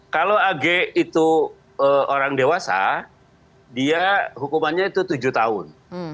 kalau ag itu orang dewasa dia hukumannya itu tujuh tahun